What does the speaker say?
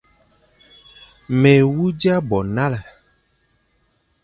Mé wu dia bo nale,